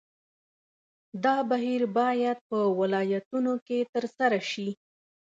دا بهیر باید په ولایتونو کې ترسره شي.